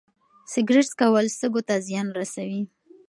سګرټ څکول سږو ته زیان رسوي.